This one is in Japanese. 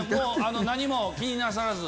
何も気になさらず。